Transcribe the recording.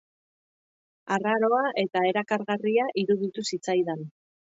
Arraroa eta erakargarria iruditu zitzaidan.